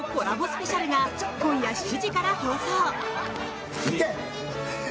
スペシャルが今夜７時から放送！